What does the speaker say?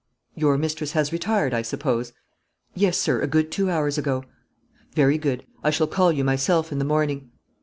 'Your mistress has retired, I suppose?' 'Yes, sir, a good two hours ago.' 'Very good. I shall call you myself in the morning.'